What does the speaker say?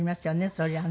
そりゃね。